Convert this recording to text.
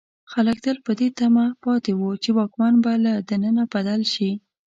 خلک تل په دې تمه پاتې وو چې واکمن به له دننه بدل شي.